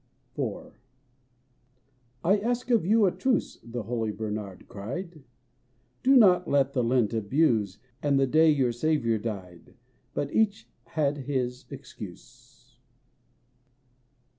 117 IV. ''I ask of you a truce/' The holy Bernard cried; ''Do not the Lent abuse, And the day your Saviour died But each had his excuse.